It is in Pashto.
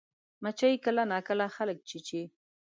مچمچۍ کله ناکله خلک چیچي